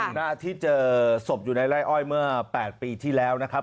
หน้าที่เจอศพอยู่ในไล่อ้อยเมื่อ๘ปีที่แล้วนะครับ